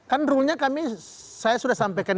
kan rule nya kami saya sudah sampaikan